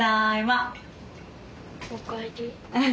お帰り。